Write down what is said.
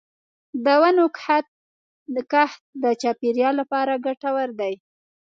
د ونو کښت د چاپېریال لپاره ګټور دی.